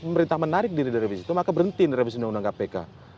pemerintah menarik diri dari revisi itu maka berhenti revisi undang undang kpk